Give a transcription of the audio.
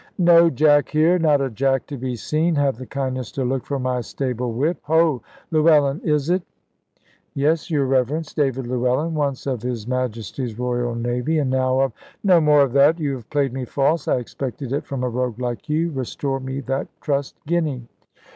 "No Jack here! not a Jack to be seen. Have the kindness to look for my stable whip. Ho, Llewellyn is it?" "Yes, your Reverence, David Llewellyn, once of his Majesty's Royal Navy, and now of " "No more of that! You have played me false. I expected it from a rogue like you. Restore me that trust guinea."